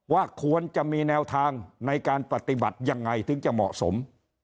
ว่าควรจะมีแนวทางในการปฏิบัติยังไงถึงจะเหมาะสม